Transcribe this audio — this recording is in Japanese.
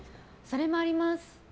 それもあります。